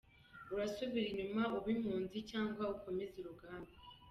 Urasubira inyuma ube impunzi cyangwa ukomeze urugamba.